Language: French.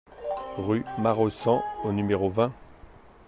Rue Maraussan au numéro vingt